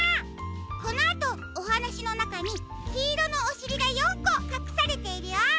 このあとおはなしのなかにきいろのおしりが４こかくされているよ。